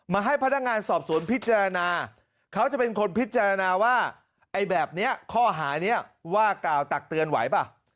ให้พนักงานสอบสวนพิจารณาเขาจะเป็นคนพิจารณาว่าไอ้แบบนี้ข้อหานี้ว่ากล่าวตักเตือนไหวป่ะ